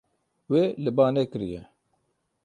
Wê li ba nekiriye.